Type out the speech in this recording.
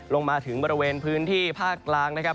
ลงมาถึงบริเวณพื้นที่ภาคกลางนะครับ